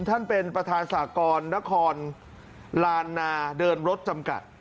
ท่านประธานเป็นประธานสากรนครลานนาเดินรถจำกัด